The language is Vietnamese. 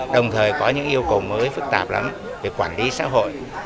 đồng thời có những yêu cầu mới phức tạp lắm về quản lý xã hội